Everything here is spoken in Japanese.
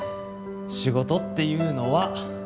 仕事っていうのは！